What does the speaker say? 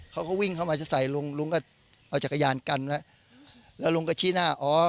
เขาก็วิ่งเข้ามาจะใส่ลุงลุงก็เอาจักรยานกันไว้แล้วลุงก็ชี้หน้าอ๋อ